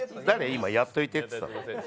今やっといてって言った人。